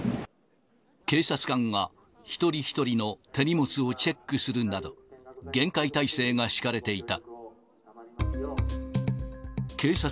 警察官が、一人一人の手荷物をチェックするなど、厳戒態勢が敷かれていた。